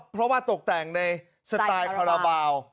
เพราะว่าตกแต่งในสไตล์คาราบาล